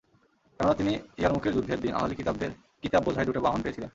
কেননা, তিনিই ইয়ারমুকের যুদ্ধের দিন আহলি কিতাবদের কিতাব বোঝাই দুটো বাহন পেয়েছিলেন।